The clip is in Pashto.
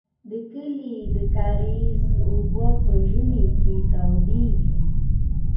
د کلي د کاریز اوبه په ژمي کې تودې وې.